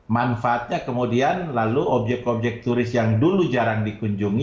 manfaatnya kemudian lalu objek objek turis yang dulu jarang dikunjungi